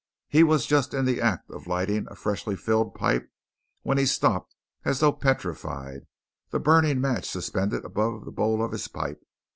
He was just in the act of lighting a freshly filled pipe, when he stopped as though petrified, the burning match suspended above the bowl of his pipe.